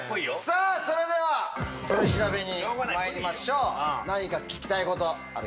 さぁそれでは取り調べにまいりましょう何か聞きたいことある人。